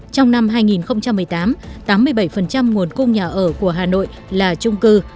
trong năm hai nghìn một mươi tám tám mươi bảy nguồn cung nhà ở của hà nội là trung cư